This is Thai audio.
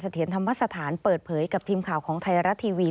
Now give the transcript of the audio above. เถียรธรรมสถานเปิดเผยกับทีมข่าวของไทยรัฐทีวี